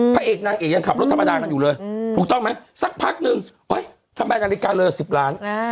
พระเอกนางเอกยังขับรถธรรมดากันอยู่เลยถูกต้องไหมสักพักนึงทำไมนาฬิกาเรือ๑๐ล้าน